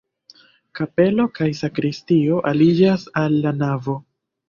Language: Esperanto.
Kapelo kaj sakristio aliĝas al la navo.